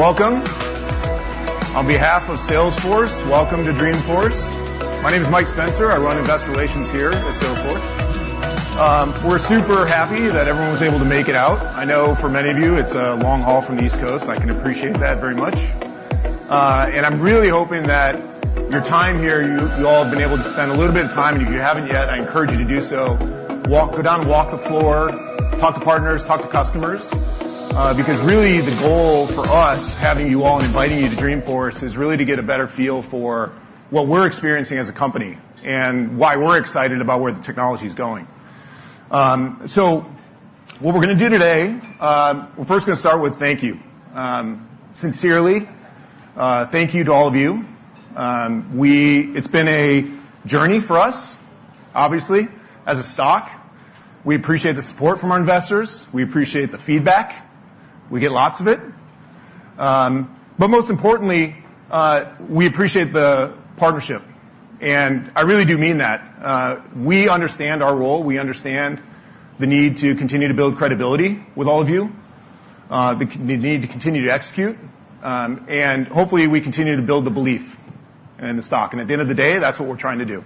Welcome. On behalf of Salesforce, welcome to Dreamforce. My name is Mike Spencer. I run Investor Relations here at Salesforce. We're super happy that everyone was able to make it out. I know for many of you, it's a long haul from the East Coast. I can appreciate that very much, and I'm really hoping that your time here, you all have been able to spend a little bit of time, and if you haven't yet, I encourage you to do so, go down and walk the floor, talk to partners, talk to customers, because really the goal for us, having you all and inviting you to Dreamforce, is really to get a better feel for what we're experiencing as a company and why we're excited about where the technology is going. So what we're going to do today, we're first going to start with thank you. Sincerely, thank you to all of you. It's been a journey for us, obviously, as a stock. We appreciate the support from our investors. We appreciate the feedback. We get lots of it. But most importantly, we appreciate the partnership, and I really do mean that. We understand our role. We understand the need to continue to build credibility with all of you, the need to continue to execute, and hopefully, we continue to build the belief in the stock, and at the end of the day, that's what we're trying to do.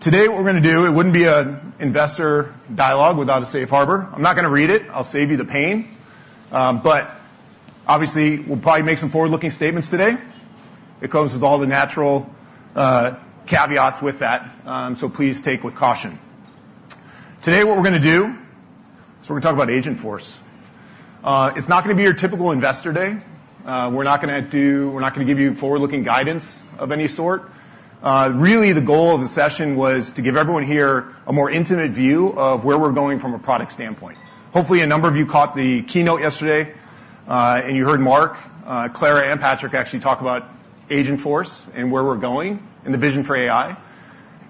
Today, what we're going to do, it wouldn't be an investor dialogue without a safe harbor. I'm not going to read it. I'll save you the pain, but obviously, we'll probably make some forward-looking statements today. It comes with all the natural caveats with that, so please take with caution. Today, what we're going to do is we're going to talk about Agentforce. It's not going to be your typical investor day. We're not going to give you forward-looking guidance of any sort. Really, the goal of the session was to give everyone here a more intimate view of where we're going from a product standpoint. Hopefully, a number of you caught the keynote yesterday, and you heard Mark, Clara, and Patrick actually talk about Agentforce and where we're going and the vision for AI.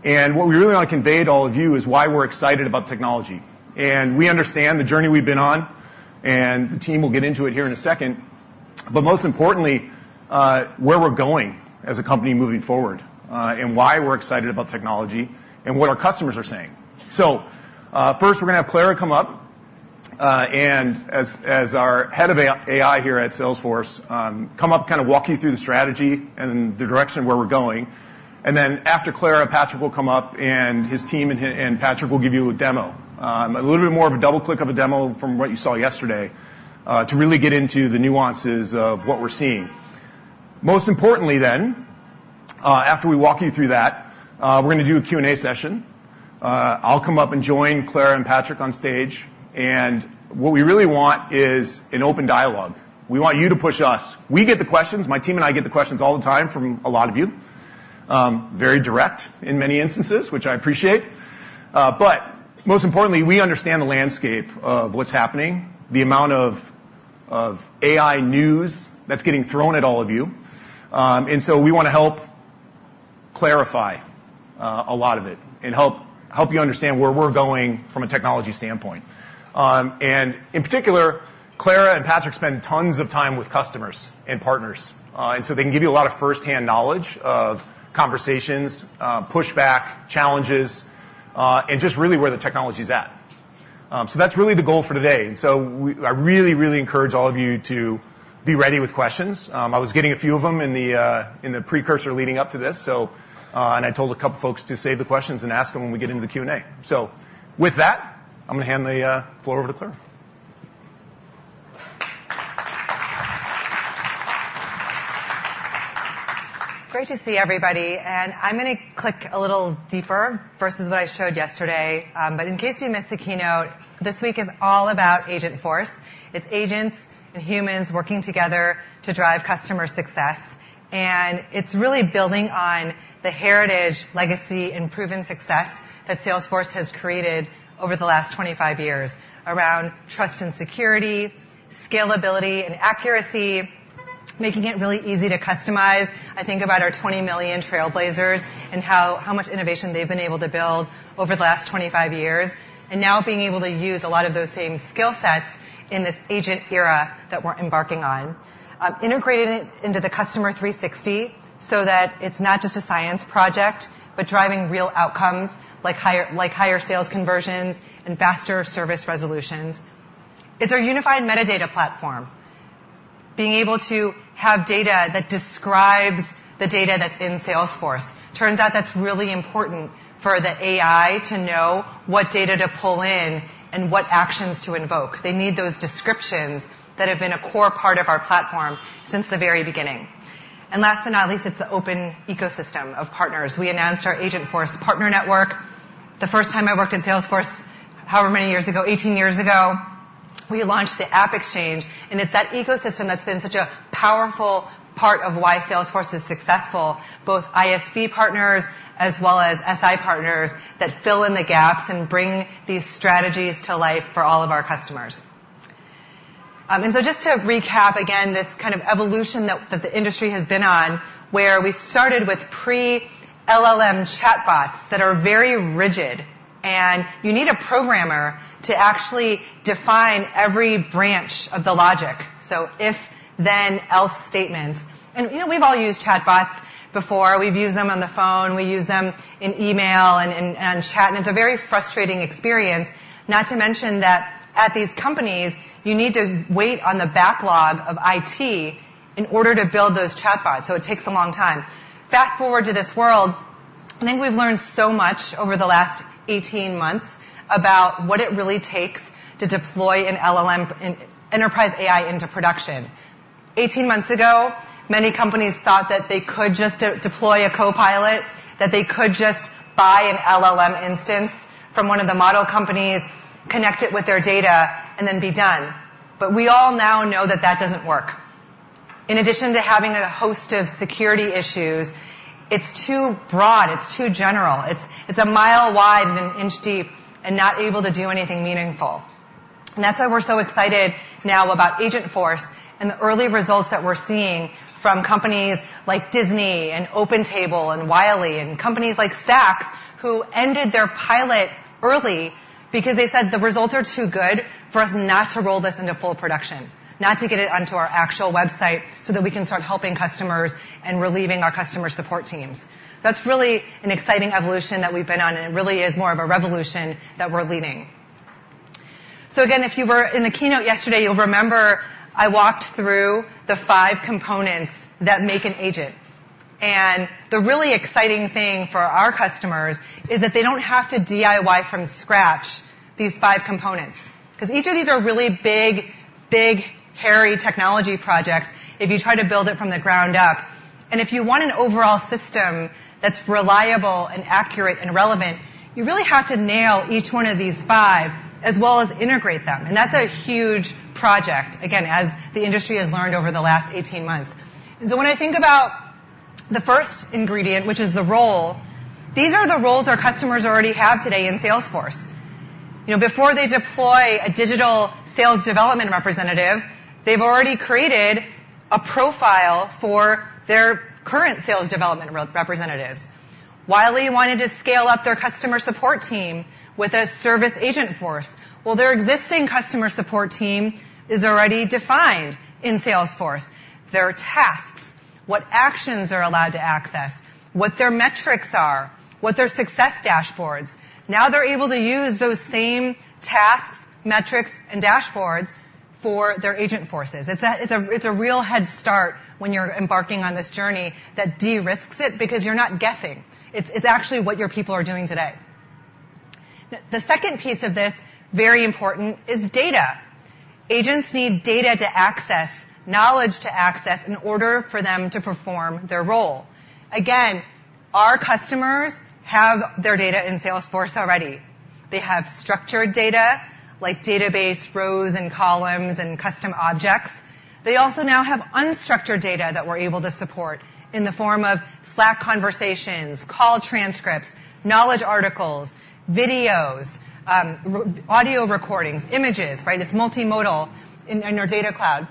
And what we really want to convey to all of you is why we're excited about technology. And we understand the journey we've been on, and the team will get into it here in a second, but most importantly, where we're going as a company moving forward, and why we're excited about technology and what our customers are saying. So first, we're going to have Clara come up, and as our head of AI here at Salesforce, kind of walk you through the strategy and the direction where we're going. And then after Clara, Patrick will come up, and Patrick will give you a demo, a little bit more of a double click of a demo from what you saw yesterday, to really get into the nuances of what we're seeing. Most importantly, then, after we walk you through that, we're going to do a Q&A session. I'll come up and join Clara and Patrick on stage. What we really want is an open dialogue. We want you to push us. We get the questions. My team and I get the questions all the time from a lot of you, very direct in many instances, which I appreciate. But most importantly, we understand the landscape of what's happening, the amount of AI news that's getting thrown at all of you. And so we want to help clarify a lot of it and help you understand where we're going from a technology standpoint. And in particular, Clara and Patrick spend tons of time with customers and partners, and so they can give you a lot of first-hand knowledge of conversations, pushback, challenges, and just really where the technology is at. So that's really the goal for today, and so I really, really encourage all of you to be ready with questions. I was getting a few of them in the precursor leading up to this, so, and I told a couple of folks to save the questions and ask them when we get into the Q&A. So with that, I'm going to hand the floor over to Clara. Great to see everybody, and I'm going to click a little deeper versus what I showed yesterday. But in case you missed the keynote, this week is all about Agentforce. It's agents and humans working together to drive customer success, and it's really building on the heritage, legacy, and proven success that Salesforce has created over the last twenty-five years around trust and security, scalability, and accuracy, making it really easy to customize. I think about our twenty million Trailblazers and how much innovation they've been able to build over the last twenty-five years, and now being able to use a lot of those same skill sets in this agent era that we're embarking on. Integrated into the Customer 360, so that it's not just a science project, but driving real outcomes like higher, like higher sales conversions and faster service resolutions. It's our unified metadata platform. Being able to have data that describes the data that's in Salesforce. Turns out that's really important for the AI to know what data to pull in and what actions to invoke. They need those descriptions that have been a core part of our platform since the very beginning. And last but not least, it's an open ecosystem of partners. We announced our Agentforce Partner Network. The first time I worked in Salesforce, however many years ago, 18 years ago, we launched the AppExchange, and it's that ecosystem that's been such a powerful part of why Salesforce is successful, both ISV partners as well as SI partners, that fill in the gaps and bring these strategies to life for all of our customers. And so just to recap again, this kind of evolution that the industry has been on, where we started with pre-LLM chatbots that are very rigid. And you need a programmer to actually define every branch of the logic. So if, then, else statements. And, you know, we've all used chatbots before. We've used them on the phone, we use them in email and chat, and it's a very frustrating experience. Not to mention that at these companies, you need to wait on the backlog of IT in order to build those chatbots, so it takes a long time. Fast-forward to this world, I think we've learned so much over the last eighteen months about what it really takes to deploy an LLM, an enterprise AI into production. 18 months ago, many companies thought that they could just deploy a copilot, that they could just buy an LLM instance from one of the model companies, connect it with their data, and then be done. But we all now know that that doesn't work. In addition to having a host of security issues, it's too broad, it's too general. It's, it's a mile wide and an inch deep and not able to do anything meaningful. And that's why we're so excited now about Agentforce and the early results that we're seeing from companies like Disney and OpenTable and Wiley, and companies like Saks, who ended their pilot early because they said, "The results are too good for us not to roll this into full production, not to get it onto our actual website, so that we can start helping customers and relieving our customer support teams." That's really an exciting evolution that we've been on, and it really is more of a revolution that we're leading. So again, if you were in the keynote yesterday, you'll remember I walked through the five components that make an agent. The really exciting thing for our customers is that they don't have to DIY from scratch these five components, 'cause each of these are really big, big, hairy technology projects if you try to build it from the ground up. If you want an overall system that's reliable and accurate and relevant, you really have to nail each one of these five, as well as integrate them, and that's a huge project, again, as the industry has learned over the last eighteen months. So when I think about the first ingredient, which is the role, these are the roles our customers already have today in Salesforce. You know, before they deploy a digital sales development representative, they've already created a profile for their current sales development representatives. Wiley wanted to scale up their customer support team with a Service Agentforce. Their existing customer support team is already defined in Salesforce. Their tasks, what actions they're allowed to access, what their metrics are, what their success dashboards. Now they're able to use those same tasks, metrics, and dashboards for their Agentforce. It's a real head start when you're embarking on this journey that de-risks it because you're not guessing. It's actually what your people are doing today. The second piece of this, very important, is data. Agents need data to access, knowledge to access, in order for them to perform their role. Again, our customers have their data in Salesforce already. They have structured data, like database, rows and columns, and custom objects. They also now have unstructured data that we're able to support in the form of Slack conversations, call transcripts, knowledge articles, videos, audio recordings, images, right? It's multimodal in our Data Cloud.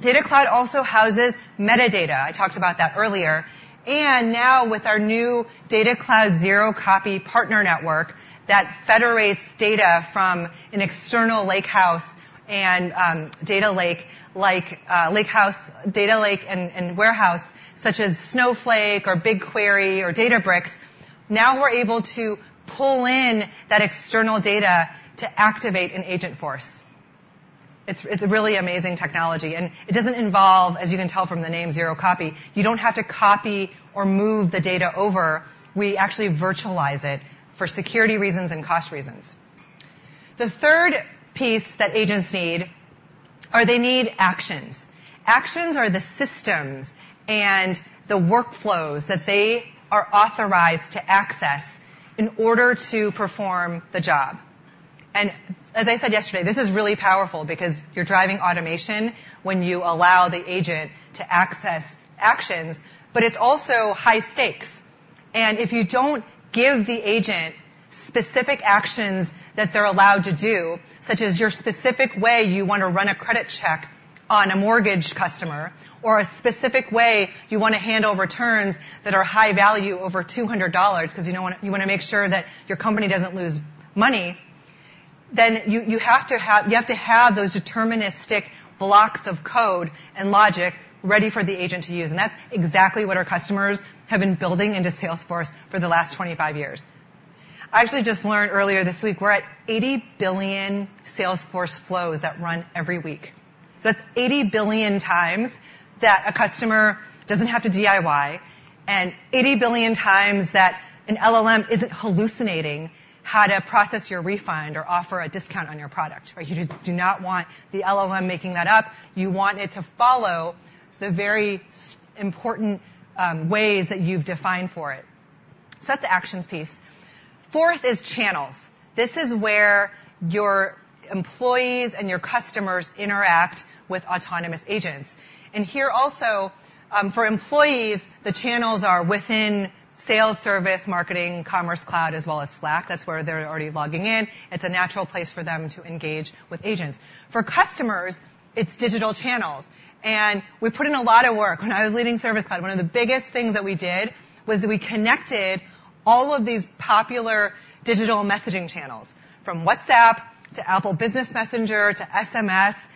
Data Cloud also houses metadata. I talked about that earlier. And now with our new Data Cloud Zero Copy Partner Network, that federates data from an external lakehouse and data lake, like lakehouse data lake and warehouse, such as Snowflake or BigQuery or Databricks. Now we're able to pull in that external data to activate Agentforce. It's a really amazing technology, and it doesn't involve, as you can tell from the name Zero Copy, you don't have to copy or move the data over. We actually virtualize it for security reasons and cost reasons. The third piece that agents need are they need actions. Actions are the systems and the workflows that they are authorized to access in order to perform the job. And as I said yesterday, this is really powerful because you're driving automation when you allow the agent to access actions, but it's also high stakes. And if you don't give the agent specific actions that they're allowed to do, such as your specific way you want to run a credit check on a mortgage customer, or a specific way you want to handle returns that are high value over $200, because you want to make sure that your company doesn't lose money, then you have to have those deterministic blocks of code and logic ready for the agent to use. And that's exactly what our customers have been building into Salesforce for the last twenty-five years. I actually just learned earlier this week we're at eighty billion Salesforce flows that run every week. So that's 80 billion times that a customer doesn't have to DIY, and 80 billion times that an LLM isn't hallucinating how to process your refund or offer a discount on your product. Right? You do not want the LLM making that up. You want it to follow the very important ways that you've defined for it. So that's the actions piece. Fourth is channels. This is where your employees and your customers interact with autonomous agents. And here also, for employees, the channels are within Sales Cloud, Service Cloud, Marketing Cloud, Commerce Cloud, as well as Slack. That's where they're already logging in. It's a natural place for them to engage with agents. For customers, it's digital channels, and we put in a lot of work. When I was leading Service Cloud, one of the biggest things that we did was we connected all of these popular digital messaging channels, from WhatsApp to Apple Business Messenger to SMS,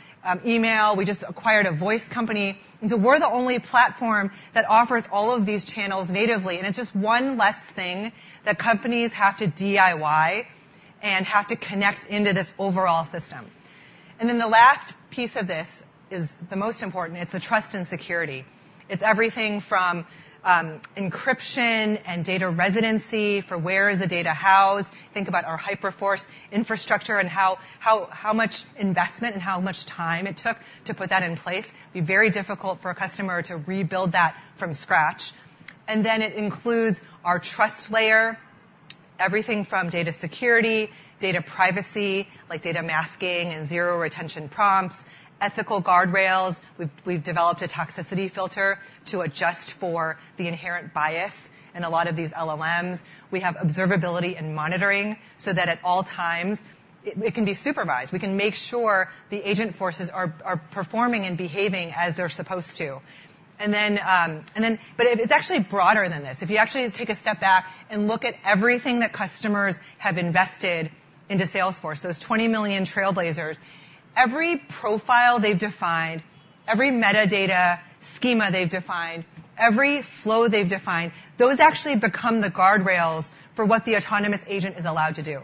email. We just acquired a voice company. And so we're the only platform that offers all of these channels natively, and it's just one less thing that companies have to DIY and have to connect into this overall system. And then the last piece of this is the most important, it's the trust and security. It's everything from encryption and data residency, for where is the data housed? Think about our Hyperforce infrastructure and how much investment and how much time it took to put that in place. It'd be very difficult for a customer to rebuild that from scratch. It includes our Trust Layer, everything from data security, data privacy, like data masking and zero retention prompts, ethical guardrails. We've developed a toxicity filter to adjust for the inherent bias in a lot of these LLMs. We have observability and monitoring so that at all times it can be supervised. We can make sure the Agentforce are performing and behaving as they're supposed to. It's actually broader than this. If you actually take a step back and look at everything that customers have invested into Salesforce, those 20 million trailblazers, every profile they've defined, every metadata schema they've defined, every flow they've defined, those actually become the guardrails for what the autonomous agent is allowed to do.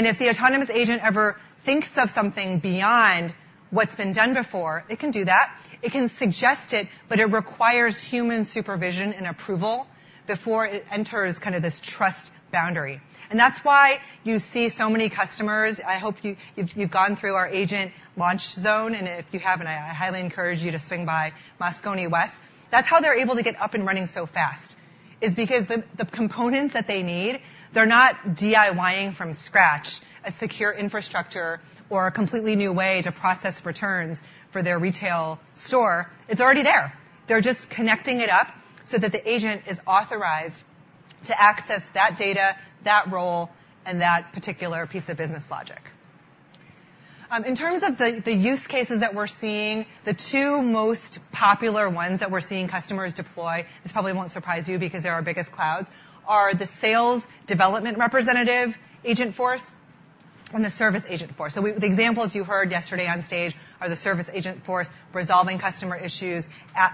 If the autonomous agent ever thinks of something beyond what's been done before, it can do that. It can suggest it, but it requires human supervision and approval before it enters kinda this trust boundary. And that's why you see so many customers. I hope you've gone through our Agent Launch Zone, and if you haven't, I highly encourage you to swing by Moscone West. That's how they're able to get up and running so fast, is because the components that they need, they're not DIY-ing from scratch a secure infrastructure or a completely new way to process returns for their retail store. It's already there. They're just connecting it up so that the agent is authorized to access that data, that role, and that particular piece of business logic. In terms of the use cases that we're seeing, the two most popular ones that we're seeing customers deploy, this probably won't surprise you because they're our biggest clouds, are the sales development representative Agentforce and the service Agentforce. So the examples you heard yesterday on stage are the service Agentforce, resolving customer issues,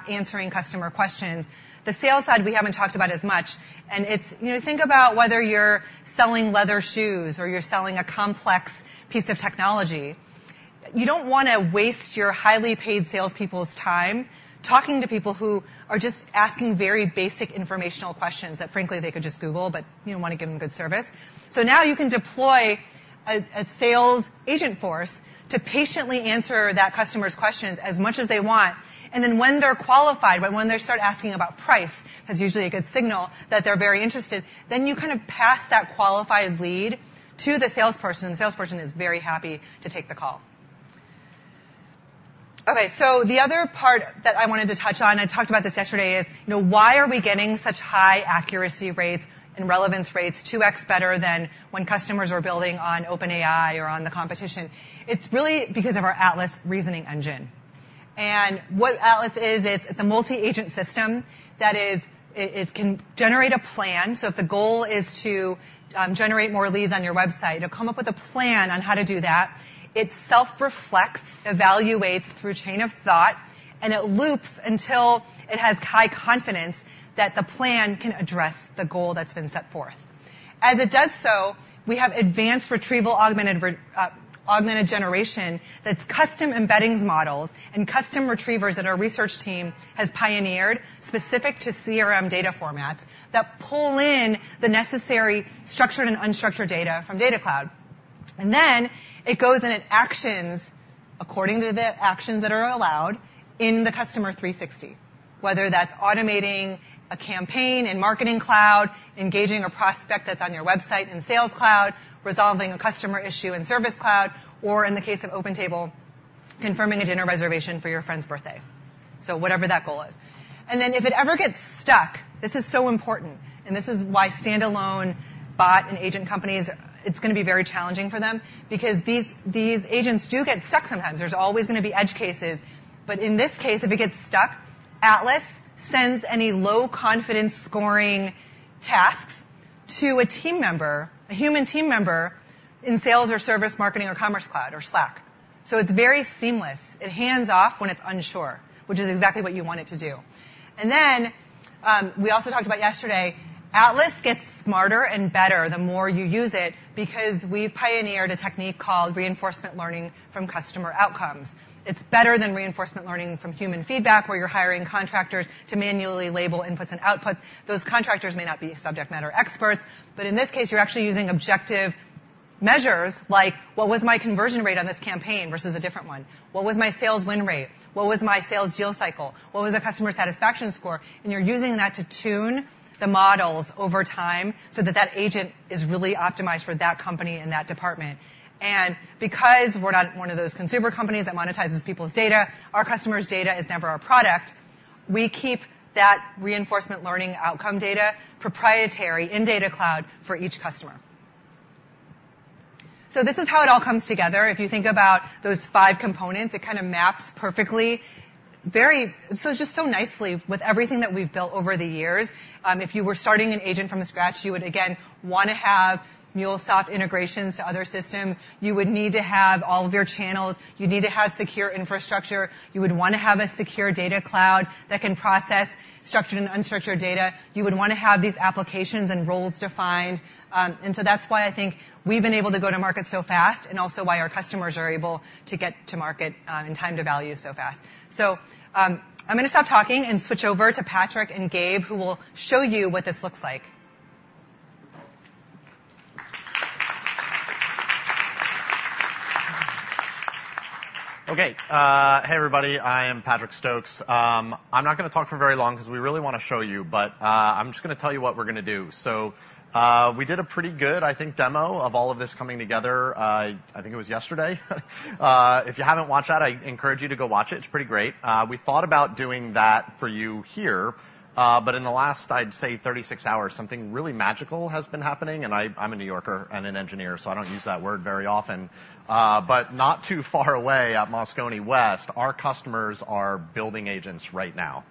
answering customer questions. The sales side, we haven't talked about as much, and it's... You know, think about whether you're selling leather shoes or you're selling a complex piece of technology. You don't wanna waste your highly paid salespeople's time talking to people who are just asking very basic informational questions that, frankly, they could just Google, but, you know, wanna give them good service. So now you can deploy a sales Agentforce to patiently answer that customer's questions as much as they want. Then when they're qualified, when they start asking about price, that's usually a good signal that they're very interested, then you kind of pass that qualified lead to the salesperson, and the salesperson is very happy to take the call. Okay, so the other part that I wanted to touch on, I talked about this yesterday, is, you know, why are we getting such high accuracy rates and relevance rates, two X better than when customers are building on OpenAI or on the competition? It's really because of our Atlas Reasoning Engine. And what Atlas is, it's a multi-agent system that is, it can generate a plan. So if the goal is to generate more leads on your website, it'll come up with a plan on how to do that. It self-reflects, evaluates through Chain of Thought, and it loops until it has high confidence that the plan can address the goal that's been set forth. As it does so, we have advanced Retrieval-Augmented Generation, that's custom embeddings models and custom retrievers that our research team has pioneered specific to CRM data formats that pull in the necessary structured and unstructured data from Data Cloud. And then it goes in and actions according to the actions that are allowed in the Customer 360, whether that's automating a campaign in Marketing Cloud, engaging a prospect that's on your website in Sales Cloud, resolving a customer issue in Service Cloud, or in the case of OpenTable, confirming a dinner reservation for your friend's birthday, so whatever that goal is. And then, if it ever gets stuck, this is so important, and this is why standalone bot and agent companies, it's gonna be very challenging for them because these, these agents do get stuck sometimes. There's always gonna be edge cases. But in this case, if it gets stuck, Atlas sends any low confidence scoring tasks to a team member, a human team member in sales or service, marketing or commerce, cloud or Slack. So it's very seamless. It hands off when it's unsure, which is exactly what you want it to do. And then, we also talked about yesterday, Atlas gets smarter and better the more you use it because we've pioneered a technique called reinforcement learning from customer outcomes. It's better than reinforcement learning from human feedback, where you're hiring contractors to manually label inputs and outputs. Those contractors may not be subject matter experts, but in this case, you're actually using objective measures like, what was my conversion rate on this campaign versus a different one? What was my sales win rate? What was my sales deal cycle? What was the customer satisfaction score? And you're using that to tune the models over time so that that agent is really optimized for that company and that department. And because we're not one of those consumer companies that monetizes people's data, our customer's data is never our product, we keep that reinforcement learning outcome data proprietary in Data Cloud for each customer. So this is how it all comes together. If you think about those five components, it kind of maps perfectly, very so, just so nicely with everything that we've built over the years. If you were starting an agent from scratch, you would, again, want to have MuleSoft integrations to other systems. You would need to have all of your channels, you'd need to have secure infrastructure. You would want to have a secure data cloud that can process structured and unstructured data. You would want to have these applications and roles defined. And so that's why I think we've been able to go to market so fast, and also why our customers are able to get to market and time to value so fast. So, I'm going to stop talking and switch over to Patrick and Gabe, who will show you what this looks like. Okay, hey, everybody, I am Patrick Stokes. I'm not going to talk for very long because we really want to show you, but, I'm just going to tell you what we're going to do. So, we did a pretty good, I think, demo of all of this coming together, I think it was yesterday. If you haven't watched that, I encourage you to go watch it. It's pretty great. We thought about doing that for you here, but in the last, I'd say thirty-six hours, something really magical has been happening. And I'm a New Yorker and an engineer, so I don't use that word very often. But not too far away, at Moscone West, our customers are building agents right now,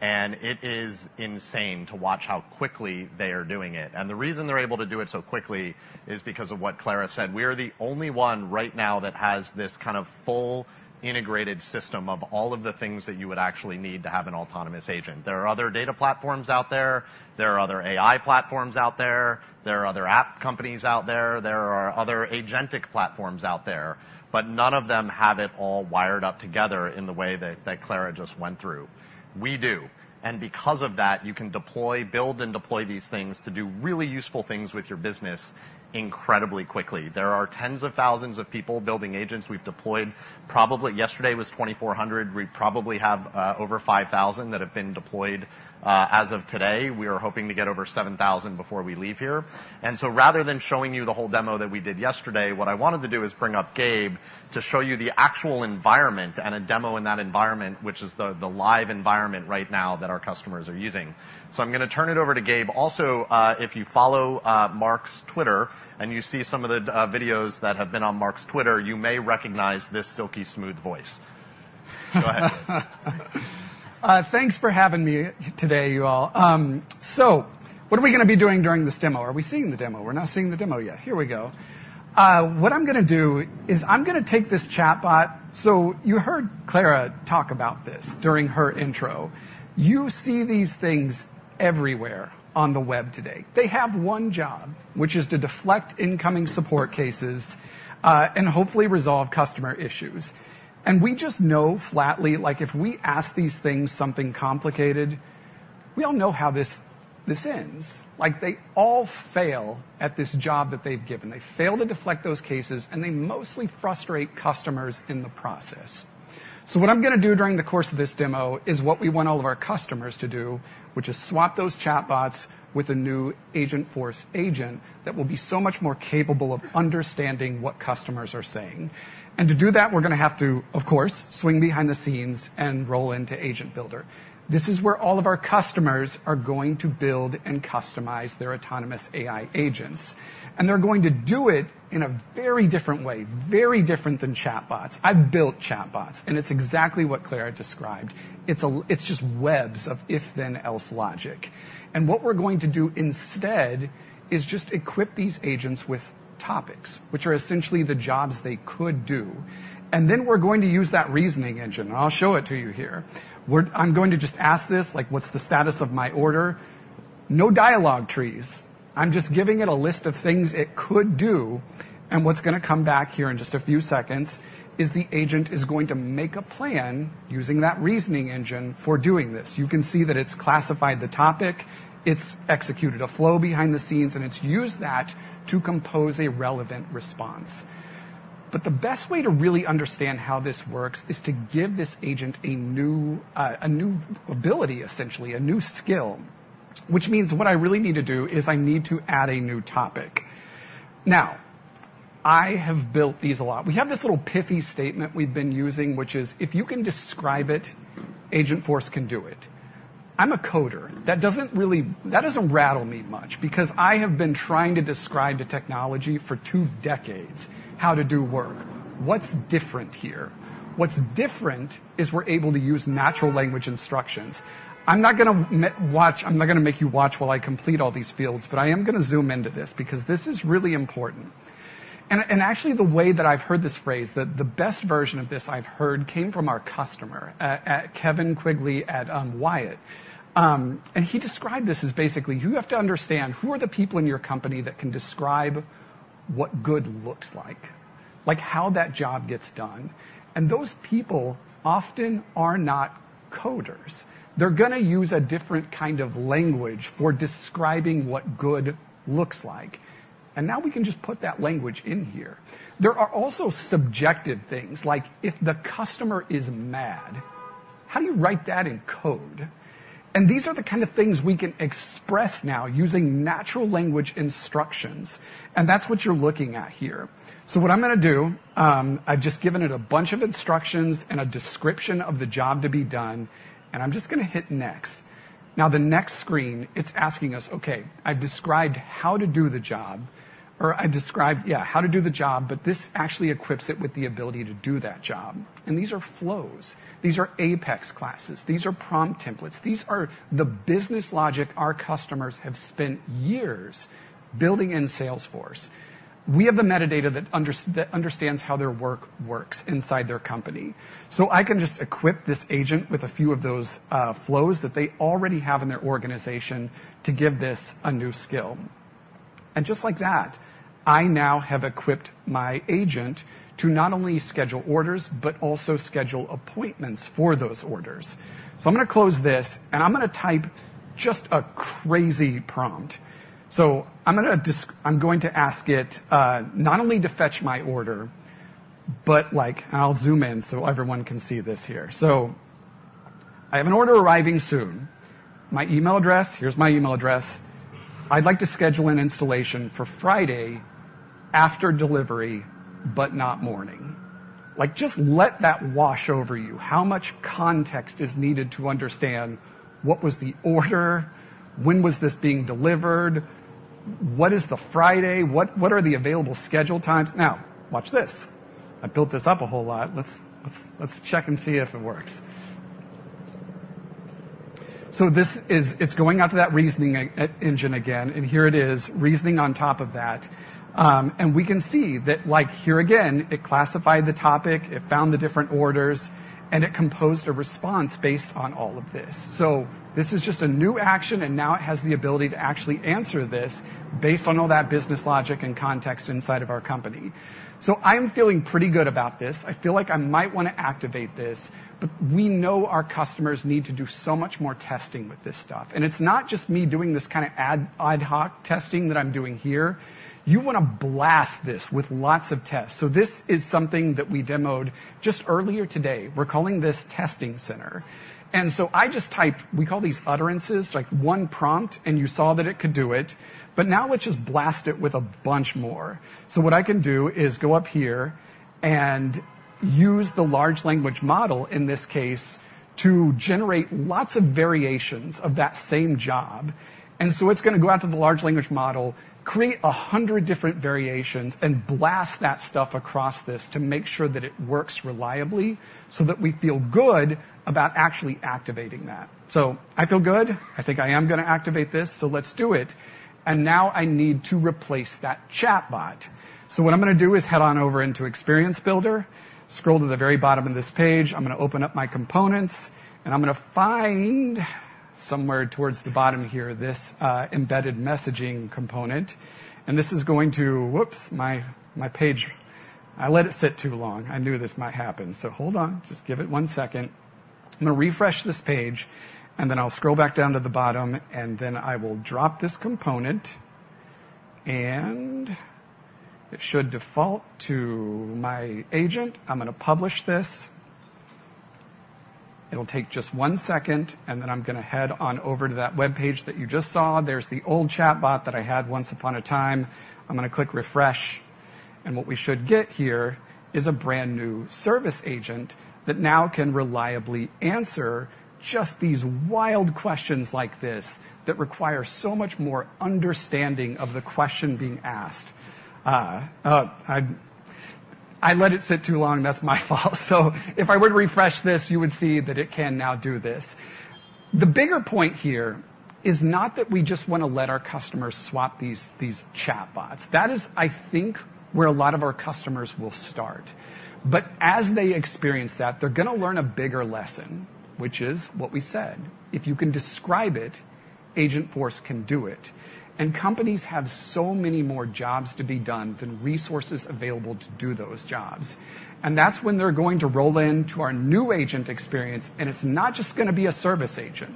and it is insane to watch how quickly they are doing it. And the reason they're able to do it so quickly is because of what Clara said: we are the only one right now that has this kind of full integrated system of all of the things that you would actually need to have an autonomous agent. There are other data platforms out there, there are other AI platforms out there, there are other app companies out there, there are other agentic platforms out there, but none of them have it all wired up together in the way that, that Clara just went through. We do, and because of that, you can deploy, build, and deploy these things to do really useful things with your business incredibly quickly. There are tens of thousands of people building agents. We've deployed, probably yesterday was twenty-four hundred. We probably have over five thousand that have been deployed as of today. We are hoping to get over seven thousand before we leave here. So rather than showing you the whole demo that we did yesterday, what I wanted to do is bring up Gabe to show you the actual environment and a demo in that environment, which is the live environment right now that our customers are using. So I'm going to turn it over to Gabe. Also, if you follow Mark's Twitter, and you see some of the videos that have been on Mark's Twitter, you may recognize this silky smooth voice. Go ahead. Thanks for having me today, you all. So what are we going to be doing during this demo? Are we seeing the demo? We're not seeing the demo yet. Here we go. What I'm going to do is I'm going to take this chatbot. So you heard Clara talk about this during her intro. You see these things everywhere on the web today. They have one job, which is to deflect incoming support cases, and hopefully resolve customer issues. And we just know flatly, like, if we ask these things something complicated, we all know how this ends. Like, they all fail at this job that they've given. They fail to deflect those cases, and they mostly frustrate customers in the process. So what I'm going to do during the course of this demo is what we want all of our customers to do, which is swap those chatbots with a new Agentforce agent that will be so much more capable of understanding what customers are saying. And to do that, we're going to have to, of course, swing behind the scenes and roll into Agent Builder. This is where all of our customers are going to build and customize their autonomous AI agents, and they're going to do it in a very different way, very different than chatbots. I've built chatbots, and it's exactly what Clara described. It's just webs of if-then-else logic. And what we're going to do instead is just equip these agents with topics which are essentially the jobs they could do, and then we're going to use that reasoning engine. I'll show it to you here. I'm going to just ask this, like, "What's the status of my order?" No dialogue trees. I'm just giving it a list of things it could do, and what's going to come back here in just a few seconds, is the agent is going to make a plan using that reasoning engine for doing this. You can see that it's classified the topic, it's executed a flow behind the scenes, and it's used that to compose a relevant response. But the best way to really understand how this works is to give this agent a new, a new ability, essentially, a new skill. Which means what I really need to do is I need to add a new topic. Now, I have built these a lot. We have this little pithy statement we've been using, which is: If you can describe it, Agentforce can do it. I'm a coder. That doesn't really. That doesn't rattle me much because I have been trying to describe to technology for two decades how to do work. What's different here? What's different is we're able to use natural language instructions. I'm not going to make you watch while I complete all these fields, but I am going to zoom into this because this is really important. Actually, the way that I've heard this phrase, the best version of this I've heard came from our customer, Kevin Quigley at Wiley. And he described this as basically, you have to understand who are the people in your company that can describe what good looks like, like, how that job gets done. And those people often are not coders. They're gonna use a different kind of language for describing what good looks like, and now we can just put that language in here. There are also subjective things like if the customer is mad, how do you write that in code? And these are the kind of things we can express now using natural language instructions, and that's what you're looking at here. So what I'm gonna do, I've just given it a bunch of instructions and a description of the job to be done, and I'm just gonna hit Next. Now, the next screen, it's asking us, okay, I've described how to do the job or I described, yeah, how to do the job, but this actually equips it with the ability to do that job. These are flows, these are Apex classes, these are prompt templates. These are the business logic our customers have spent years building in Salesforce. We have the metadata that understands how their work works inside their company, so I can just equip this agent with a few of those flows that they already have in their organization to give this a new skill, and just like that, I now have equipped my agent to not only schedule orders but also schedule appointments for those orders, so I'm gonna close this, and I'm gonna type just a crazy prompt. I'm going to ask it not only to fetch my order, but like. I'll zoom in so everyone can see this here. So I have an order arriving soon. My email address. Here's my email address. I'd like to schedule an installation for Friday after delivery, but not morning. Like, just let that wash over you. How much context is needed to understand what was the order? When was this being delivered? What is the Friday? What are the available schedule times? Now, watch this. I built this up a whole lot. Let's check and see if it works. So this is. It's going out to that reasoning engine again, and here it is, reasoning on top of that. And we can see that like here again, it classified the topic, it found the different orders, and it composed a response based on all of this. So this is just a new action, and now it has the ability to actually answer this based on all that business logic and context inside of our company. So I'm feeling pretty good about this. I feel like I might want to activate this, but we know our customers need to do so much more testing with this stuff. And it's not just me doing this kind of ad hoc testing that I'm doing here. You want to blast this with lots of tests. So this is something that we demoed just earlier today. We're calling this Testing Center, and so I just typed... We call these utterances, like one prompt, and you saw that it could do it, but now let's just blast it with a bunch more. So what I can do is go up here and use the large language model, in this case, to generate lots of variations of that same job. And so it's gonna go out to the large language model, create a hundred different variations, and blast that stuff across this to make sure that it works reliably, so that we feel good about actually activating that. So I feel good. I think I am gonna activate this, so let's do it. And now I need to replace that chatbot. So what I'm gonna do is head on over into Experience Builder, scroll to the very bottom of this page. I'm gonna open up my components, and I'm gonna find somewhere towards the bottom here, this, Embedded Messaging component. And this is going to... Whoops! My, my page. I let it sit too long. I knew this might happen, so hold on. Just give it one second. I'm gonna refresh this page, and then I'll scroll back down to the bottom, and then I will drop this component, and it should default to my agent. I'm gonna publish this. It'll take just one second, and then I'm gonna head on over to that web page that you just saw. There's the old chatbot that I had once upon a time. I'm gonna click Refresh, and what we should get here is a brand-new service agent that now can reliably answer just these wild questions like this that require so much more understanding of the question being asked. I let it sit too long, and that's my fault. So if I were to refresh this, you would see that it can now do this. The bigger point here is not that we just want to let our customers swap these, these chatbots. That is, I think, where a lot of our customers will start. But as they experience that, they're gonna learn a bigger lesson, which is what we said: If you can describe it, Agentforce can do it. And companies have so many more jobs to be done than resources available to do those jobs, and that's when they're going to roll into our new agent experience, and it's not just gonna be a service agent.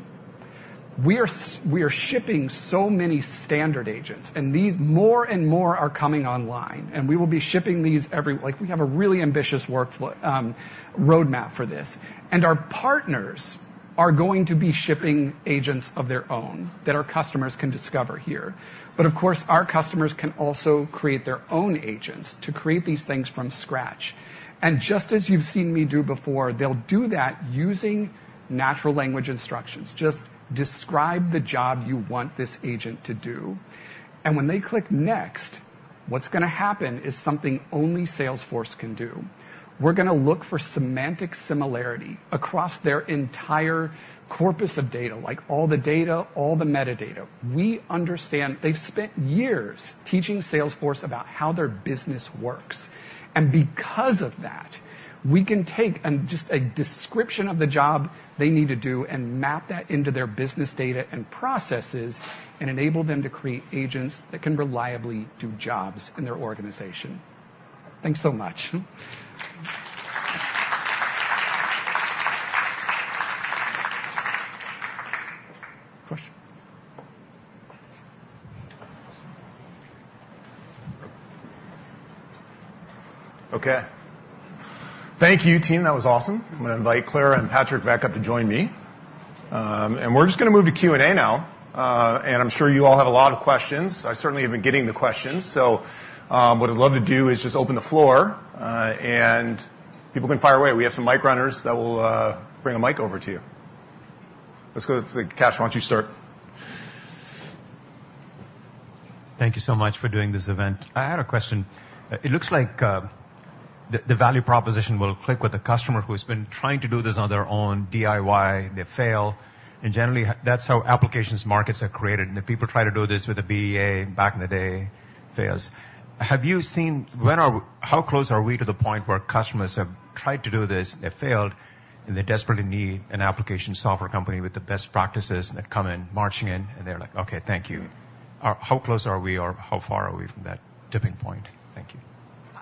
We are s- we are shipping so many standard agents, and these more and more are coming online, and we will be shipping these every... Like, we have a really ambitious workflow, roadmap for this. And our partners are going to be shipping agents of their own that our customers can discover here. But of course, our customers can also create their own agents to create these things from scratch. And just as you've seen me do before, they'll do that using natural language instructions. Just describe the job you want this agent to do, and when they click Next, what's gonna happen is something only Salesforce can do. We're gonna look for semantic similarity across their entire corpus of data, like all the data, all the metadata. We understand they've spent years teaching Salesforce about how their business works, and because of that, we can take and just a description of the job they need to do and map that into their business data and processes and enable them to create agents that can reliably do jobs in their organization. Thanks so much. Question? Okay. Thank you, team. That was awesome. I'm going to invite Clara and Patrick back up to join me, and we're just going to move to Q&A now, and I'm sure you all have a lot of questions. I certainly have been getting the questions, so what I'd love to do is just open the floor, and people can fire away. We have some mic runners that will bring a mic over to you. Let's go with Kash, why don't you start? Thank you so much for doing this event. I had a question. It looks like the value proposition will click with a customer who has been trying to do this on their own, DIY. They fail, and generally, that's how applications markets are created, and the people try to do this with a BEA back in the day, fails. How close are we to the point where customers have tried to do this, they failed, and they desperately need an application software company with the best practices, and they come in, marching in, and they're like, "Okay, thank you"? How close are we, or how far are we from that tipping point? Thank you.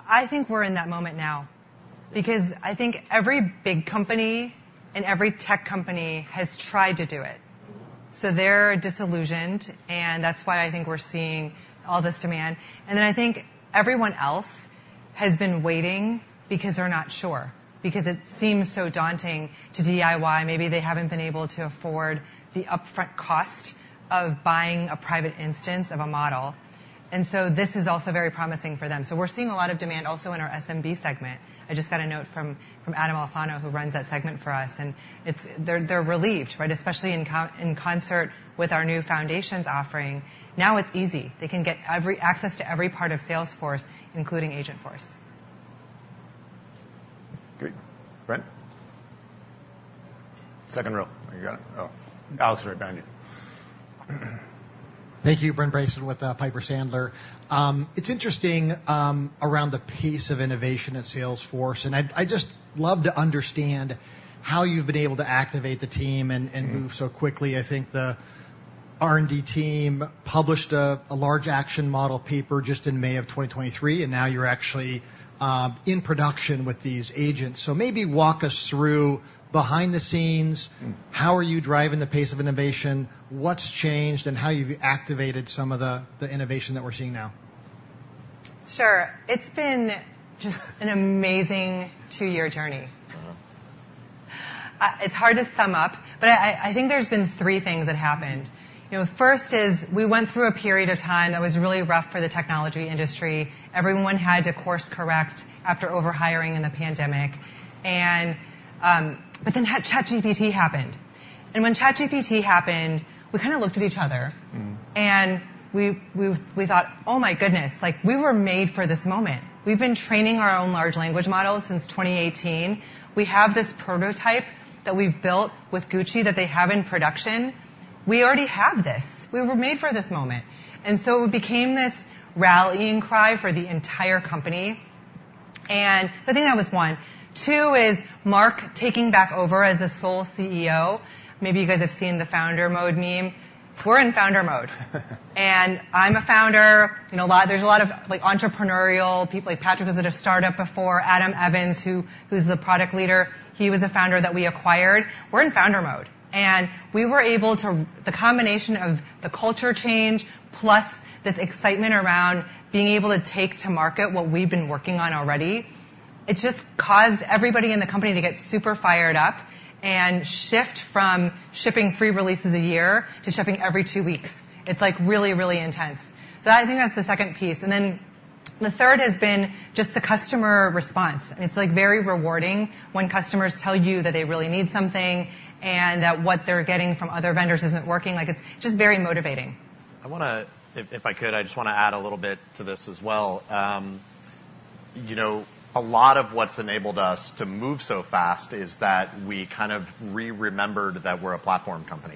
I think we're in that moment now, because I think every big company and every tech company has tried to do it, so they're disillusioned, and that's why I think we're seeing all this demand. And then I think everyone else has been waiting because they're not sure, because it seems so daunting to DIY. Maybe they haven't been able to afford the upfront cost of buying a private instance of a model, and so this is also very promising for them. So we're seeing a lot of demand also in our SMB segment. I just got a note from Adam Alfano, who runs that segment for us, and it's—they're relieved, right? Especially in concert with our new Foundations offering. Now it's easy. They can get every access to every part of Salesforce, including Agentforce. Great. Brent? Second row. You got it. Oh, Alex, right behind you. Thank you. Brent Bracelin with Piper Sandler. It's interesting around the pace of innovation at Salesforce, and I'd just love to understand how you've been able to activate the team and move so quickly. I think the R&D team published a large action model paper just in May of twenty twenty-three, and now you're actually in production with these agents. So maybe walk us through behind the scenes, how are you driving the pace of innovation, what's changed, and how you've activated some of the innovation that we're seeing now? Sure. It's been just an amazing two-year journey. Mm-hmm. It's hard to sum up, but I think there's been three things that happened. You know, first is, we went through a period of time that was really rough for the technology industry. Everyone had to course correct after overhiring in the pandemic. And, but then ChatGPT happened. And when ChatGPT happened, we kind of looked at each other- Mm. -and we thought: Oh, my goodness, like, we were made for this moment. We've been training our own large language models since twenty eighteen. We have this prototype that we've built with Gucci that they have in production. We already have this. We were made for this moment. And so it became this rallying cry for the entire company, and so I think that was one. Two is Mark taking back over as the sole CEO. Maybe you guys have seen the founder mode meme. We're in founder mode. And I'm a founder. You know, a lot. There's a lot of, like, entrepreneurial people. Like, Patrick was at a startup before. Adam Evans, who's the product leader, he was a founder that we acquired. We're in founder mode, and we were able to... The combination of the culture change, plus this excitement around being able to take to market what we've been working on already, it just caused everybody in the company to get super fired up and shift from shipping three releases a year to shipping every two weeks. It's, like, really, really intense. So I think that's the second piece. And then the third has been just the customer response. And it's, like, very rewarding when customers tell you that they really need something and that what they're getting from other vendors isn't working. Like, it's just very motivating. If I could, I just wanna add a little bit to this as well. You know, a lot of what's enabled us to move so fast is that we kind of re-remembered that we're a platform company.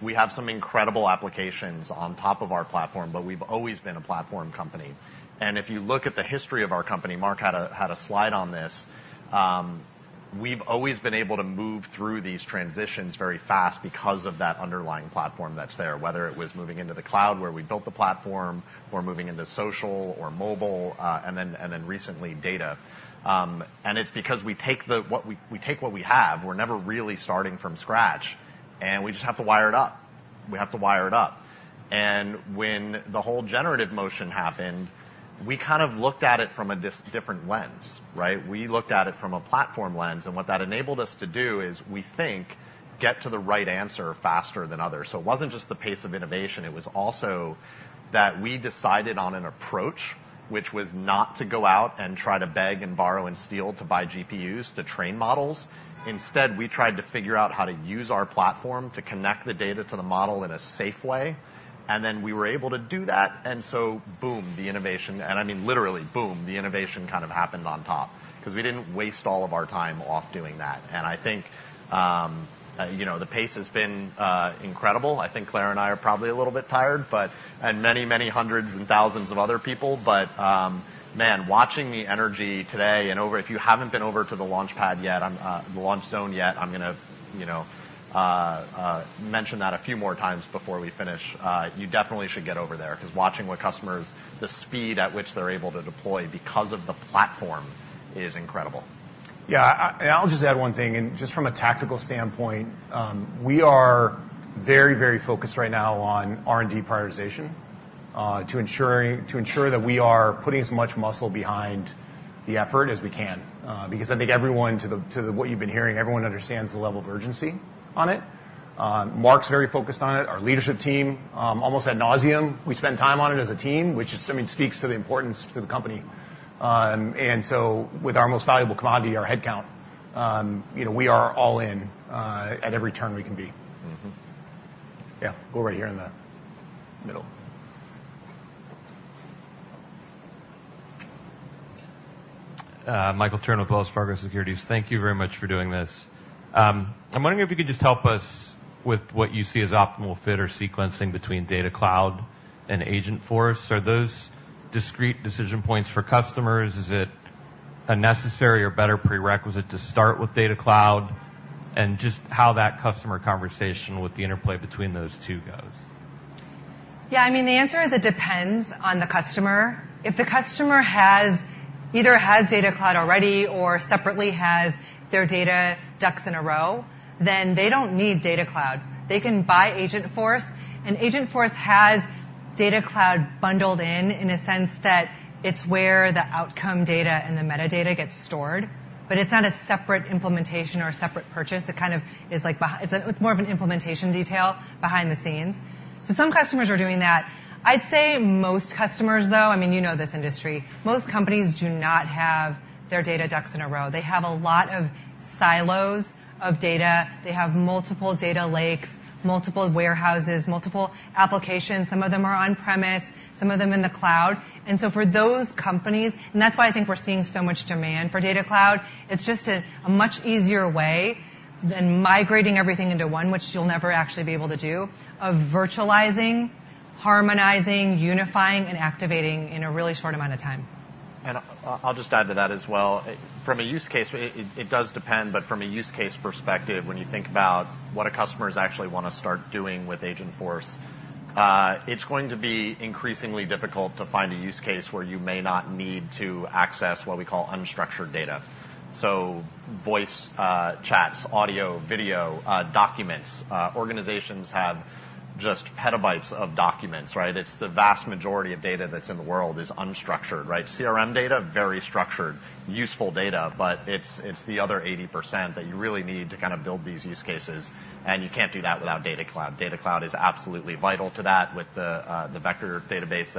We have some incredible applications on top of our platform, but we've always been a platform company. And if you look at the history of our company, Mark had a slide on this. We've always been able to move through these transitions very fast because of that underlying platform that's there, whether it was moving into the cloud, where we built the platform, or moving into social or mobile, and then recently, data. And it's because we take what we have. We're never really starting from scratch, and we just have to wire it up. We have to wire it up. And when the whole generative motion happened, we kind of looked at it from a different lens, right? We looked at it from a platform lens, and what that enabled us to do is, we think, get to the right answer faster than others. So it wasn't just the pace of innovation, it was also that we decided on an approach, which was not to go out and try to beg and borrow and steal, to buy GPUs to train models. Instead, we tried to figure out how to use our platform to connect the data to the model in a safe way, and then we were able to do that, and so, boom, the innovation. And, I mean, literally, boom, the innovation kind of happened on top because we didn't waste all of our time on doing that. I think, you know, the pace has been incredible. I think Clara and I are probably a little bit tired, and many, many hundreds and thousands of other people. But man, watching the energy today. If you haven't been over to the launch zone yet, I'm gonna, you know, mention that a few more times before we finish. You definitely should get over there, 'cause watching what customers, the speed at which they're able to deploy because of the platform is incredible.... Yeah, I, and I'll just add one thing, and just from a tactical standpoint, we are very, very focused right now on R&D prioritization to ensure that we are putting as much muscle behind the effort as we can. Because I think everyone, what you've been hearing, everyone understands the level of urgency on it. Mark's very focused on it. Our leadership team almost ad nauseam, we spend time on it as a team, which is, I mean, speaks to the importance to the company. And so with our most valuable commodity, our headcount, you know, we are all in at every turn we can be. Mm-hmm. Yeah, go right here in the middle. Michael Turrin, Wells Fargo Securities. Thank you very much for doing this. I'm wondering if you could just help us with what you see as optimal fit or sequencing between Data Cloud and Agentforce. Are those discrete decision points for customers? Is it a necessary or better prerequisite to start with Data Cloud, and just how that customer conversation with the interplay between those two goes? Yeah, I mean, the answer is it depends on the customer. If the customer has, either has Data Cloud already or separately has their data ducks in a row, then they don't need Data Cloud. They can buy Agentforce, and Agentforce has Data Cloud bundled in, in a sense that it's where the outcome data and the metadata gets stored, but it's not a separate implementation or a separate purchase. It kind of is like it's, it's more of an implementation detail behind the scenes. So some customers are doing that. I'd say most customers, though, I mean, you know this industry, most companies do not have their data ducks in a row. They have a lot of silos of data. They have multiple data lakes, multiple warehouses, multiple applications. Some of them are on-premise, some of them in the cloud. And so for those companies... That's why I think we're seeing so much demand for Data Cloud. It's just a much easier way than migrating everything into one, which you'll never actually be able to do, of virtualizing, harmonizing, unifying, and activating in a really short amount of time. And I'll just add to that as well. From a use case, it does depend, but from a use case perspective, when you think about what our customers actually wanna start doing with Agentforce, it's going to be increasingly difficult to find a use case where you may not need to access what we call unstructured data. So voice, chats, audio, video, documents. Organizations have just petabytes of documents, right? It's the vast majority of data that's in the world is unstructured, right? CRM data, very structured, useful data, but it's the other 80% that you really need to kind of build these use cases, and you can't do that without Data Cloud. Data Cloud is absolutely vital to that with the vector database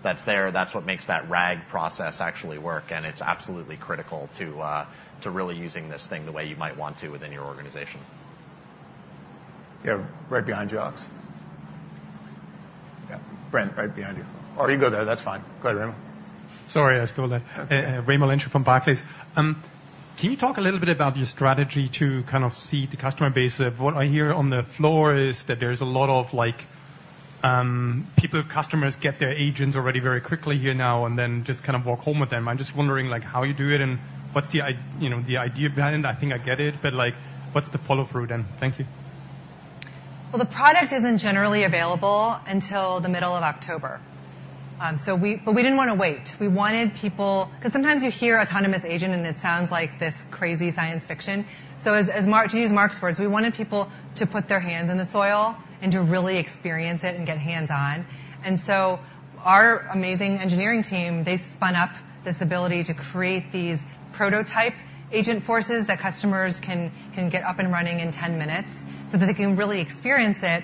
that's there. That's what makes that RAG process actually work, and it's absolutely critical to, to really using this thing the way you might want to within your organization. Yeah, right behind you, Ox. Yeah, Brent, right behind you. Or you go there, that's fine. Go ahead, Raymond. Sorry, I stole that. Raimo Lenschow from Barclays. Can you talk a little bit about your strategy to kind of see the customer base? What I hear on the floor is that there's a lot of, like, people, customers get their agents already very quickly here now and then just kind of walk home with them. I'm just wondering, like, how you do it, and what's the idea behind it? I think I get it, but, like, what's the follow-through then? Thank you. The product isn't generally available until the middle of October. So we... But we didn't wanna wait. We wanted people—'cause sometimes you hear autonomous agent, and it sounds like this crazy science fiction. So as Mark—to use Mark's words, "We wanted people to put their hands in the soil and to really experience it and get hands-on." So our amazing engineering team, they spun up this ability to create these prototype Agentforce that customers can get up and running in 10 minutes so that they can really experience it,